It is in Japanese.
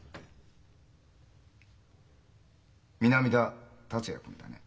南田達也君だね？